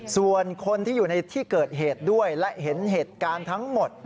ส่วนคนที่อยู่ในที่เกิดเหตุด้วยและเห็นเหตุการณ์ทั้งหมด